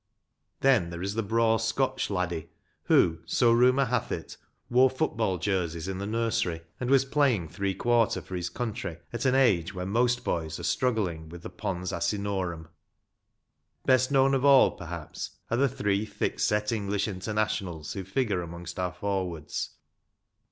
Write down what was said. " Then there is the braw Scotch laddie who, so rumour hath it, wore football jerseys in the nursery, and was playing three quarter for his country at an age when most boys are struggling with the Pons Asinorum. Best known of all, per haps, are the three thick set English Internationals who figure amongst our forwards.